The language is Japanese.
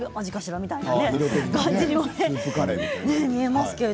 みたいな感じにも見えますね。